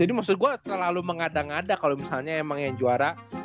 jadi maksud gue terlalu mengada ngada kalo misalnya emang yang juara